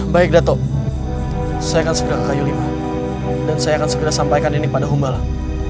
baik dato saya akan segera ke kayu lima dan saya akan segera sampaikan ini pada humbala